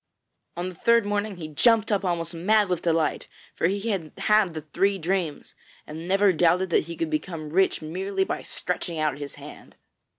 On the third morning he jumped up almost mad with delight, for he had had the three dreams, and never doubted that he could become rich merely by stretching out his hand.